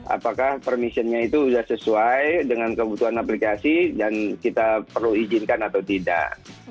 apakah permissionnya itu sudah sesuai dengan kebutuhan aplikasi dan kita perlu izinkan atau tidak